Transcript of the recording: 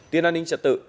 tiên an ninh trật tự